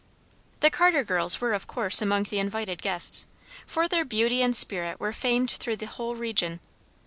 The Carter girls were of course among the invited guests, for their beauty and spirit were famed through the whole region.